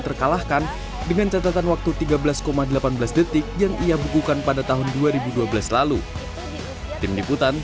terkalahkan dengan catatan waktu tiga belas delapan belas detik yang ia bukukan pada tahun dua ribu dua belas lalu tim liputan